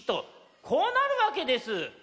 こうなるわけです！